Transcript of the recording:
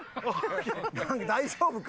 大丈夫か？